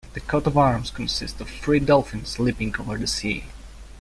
The coat of arms consists of three dolphins leaping over the sea.